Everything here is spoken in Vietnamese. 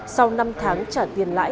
sau năm tháng trả tiền lại